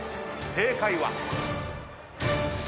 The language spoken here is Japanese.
正解は。